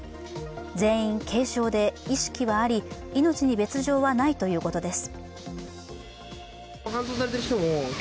全員軽症で意識はあり、命に別状はないということです。